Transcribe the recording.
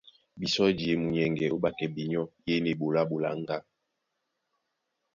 Bisɔ́ di e munyɛŋgɛ ó ɓákɛ binyɔ́ yên eɓoló á ɓoláŋgá.